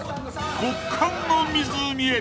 極寒の湖へ］